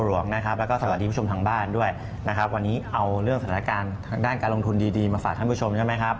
วันนี้เอาเรื่องสถานการณ์ทางด้านการลงทุนดีมาสาธารณ์คุณผู้ชมใช่ไหมครับ